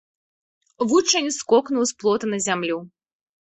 Вучань скокнуў з плота на зямлю.